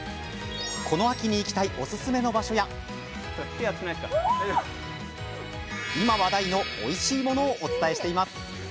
この秋に行きたいおすすめの場所や今、話題のおいしいものをお伝えしています。